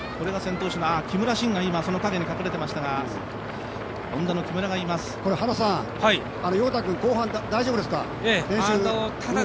木村慎が今、その影に隠れていましたが、横田君、後半大丈夫ですか？